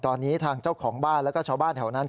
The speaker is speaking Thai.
ตอนนี้ทางเจ้าของบ้านแล้วก็ชาวบ้านแถวนั้น